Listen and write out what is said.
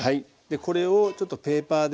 これをちょっとペーパーで。